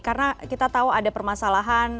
karena kita tahu ada permasalahan